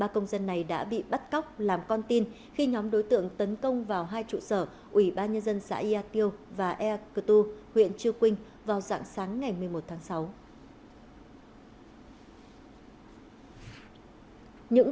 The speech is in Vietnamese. ba công dân này đã bị bắt cóc làm con tin khi nhóm đối tượng tấn công vào hai trụ sở ủy ban nhân dân xã yà tiêu và ea cơ tu huyện chư quynh vào dạng sáng ngày một mươi một tháng sáu